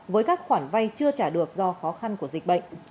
với các khoản vay chưa trả được do khó khăn của dịch bệnh